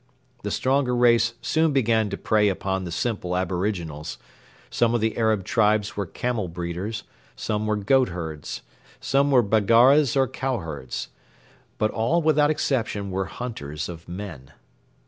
The stronger race soon began to prey upon the simple aboriginals; some of the Arab tribes were camel breeders; some were goat herds; some were Baggaras or cow herds. But all, without exception, were hunters of men.